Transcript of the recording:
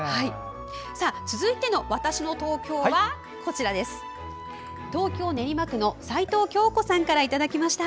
続いての「わたしの東京」は東京・練馬区の斉藤享子さんからいただきました。